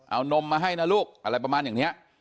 เอานมมาให้นะลูกอะไรประมาณอย่างนี้